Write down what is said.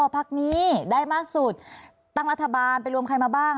พักนี้ได้มากสุดตั้งรัฐบาลไปรวมใครมาบ้าง